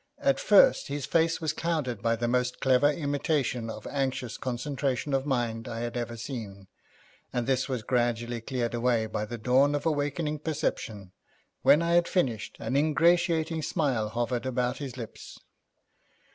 At first his face was clouded by the most clever imitation of anxious concentration of mind I had ever seen, and this was gradually cleared away by the dawn of awakening perception. When I had finished, an ingratiating smile hovered about his lips.